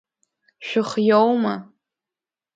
Шәыхиоума?